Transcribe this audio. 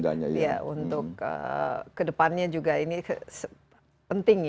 ya untuk kedepannya juga ini penting ya